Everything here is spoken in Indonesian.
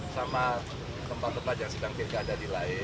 sama tempat tempat yang sedang pilkada di lain